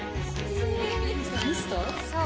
そう。